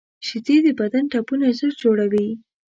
شیدې د بدن ټپونه ژر جوړوي